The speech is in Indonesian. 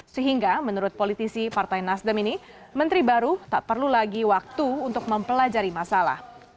sehingga menurut politisi partai nasdem ini menteri baru tak perlu lagi waktu untuk mempelajari masalah